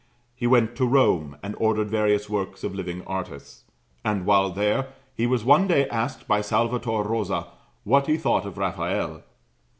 He went to Rome and ordered various works of living artists; and while there, he was one day asked by Salvator Rosa what he thought of Raphael.